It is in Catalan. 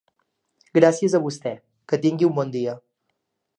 Gràcies a vostè, que tingui bon dia.